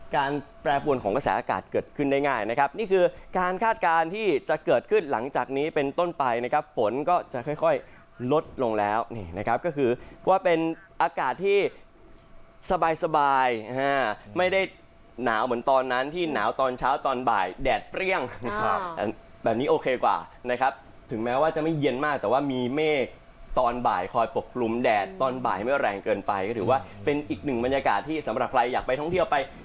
การแปรปรวนของกระแสอากาศเกิดขึ้นได้ง่ายนะครับนี่คือการคาดการณ์ที่จะเกิดขึ้นหลังจากนี้เป็นต้นไปนะครับฝนก็จะค่อยลดลงแล้วนะครับก็คือว่าเป็นอากาศที่สบายไม่ได้หนาวเหมือนตอนนั้นที่หนาวตอนเช้าตอนบ่ายแดดเปรี้ยงแบบนี้โอเคกว่านะครับถึงแม้ว่าจะไม่เย็นมากแต่ว่ามีเมฆตอนบ่ายคอยปกปรุงแ